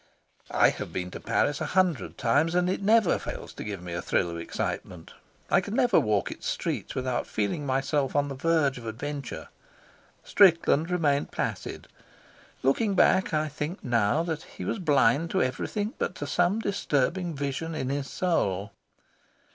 I have been to Paris a hundred times, and it never fails to give me a thrill of excitement; I can never walk its streets without feeling myself on the verge of adventure. Strickland remained placid. Looking back, I think now that he was blind to everything but to some disturbing vision in his soul.